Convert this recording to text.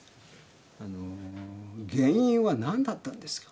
あのー原因はなんだったんですか？